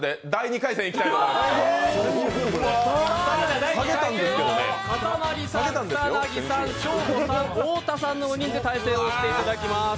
かたまりさん、草薙さんショーゴさん、太田さんの４人で対戦をしていただきます。